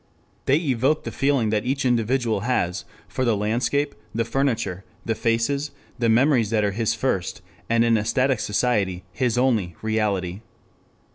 They evoke the feeling that each individual has for the landscape, the furniture, the faces, the memories that are his first, and in a static society, his only reality.